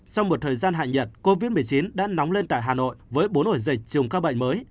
sau một thời gian hạ nhiệt covid một mươi chín đã nóng lên tại hà nội với bốn ổ dịch chùm các bệnh mới